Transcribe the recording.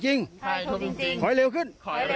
หนอยขอให้เร็วขึ้น